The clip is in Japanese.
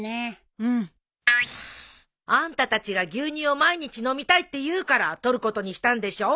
うん。あんたたちが牛乳を毎日飲みたいって言うから取ることにしたんでしょ。